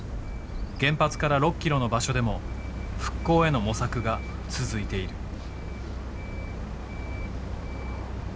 原発から６キロの場所でも復興への模索が続いている。